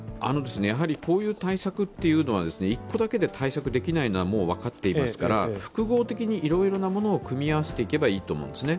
こういう対策というのは一個だけで対策できないのはもう分かっていますから、複合的にいろいろなものを組み合わせていけばいいと思います。